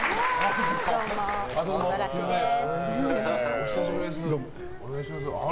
お久しぶりです。